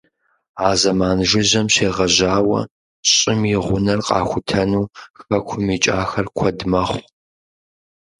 А зэман жыжьэм щегъэжьауэ щӀым и гъунэр къахутэну хэкум икӀахэр куэд мэхъу.